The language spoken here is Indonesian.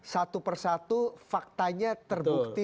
satu persatu faktanya terbukti